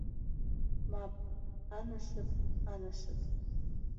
Мап, анасыԥ, анасыԥ.